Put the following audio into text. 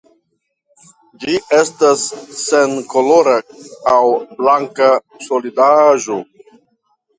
Ĝi estas senkolora aŭ blanka solidaĵo.